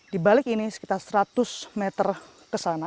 di balik ini sekitar seratus meter ke sana